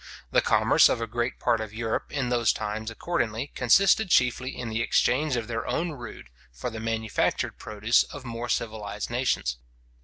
The commerce of a great part of Europe in those times, accordingly, consisted chiefly in the exchange of their own rude, for the manufactured produce of more civilized nations.